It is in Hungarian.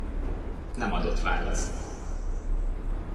Nem adott választ.